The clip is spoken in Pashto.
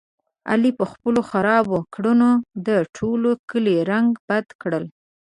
علي په خپلو خرابو کړنو د ټول کلي رنګه بده کړله.